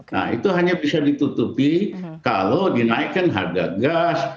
nah itu hanya bisa ditutupi kalau dinaikkan harga gas